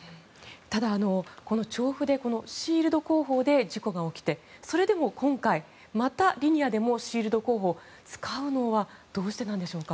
ただ、調布でシールド工法で事故が起きてそれでも今回、またリニアでもシールド工法を使うのはどうしてなのでしょうか。